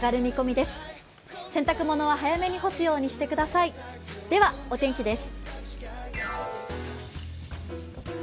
ではお天気です。